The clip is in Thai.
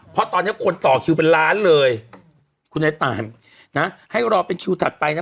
เพราะตอนนี้คนต่อคิวเป็นล้านเลยคุณไอ้ตายนะให้รอเป็นคิวถัดไปนะ